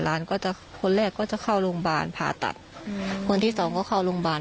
หลานก็จะคนแรกก็จะเข้าโรงพยาบาลผ่าตัดอืมคนที่สองก็เข้าโรงพยาบาล